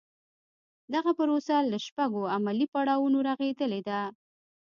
دغه پروسه له شپږو عملي پړاوونو رغېدلې ده.